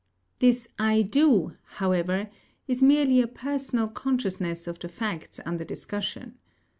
This 'I do,' however, is merely a personal consciousness of the facts under discussion.